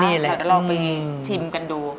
เดี๋ยวเราไปชิมกันดู